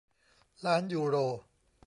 ล้านยูโร